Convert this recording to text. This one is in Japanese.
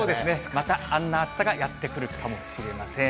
またあんな暑さがやって来るかもしれません。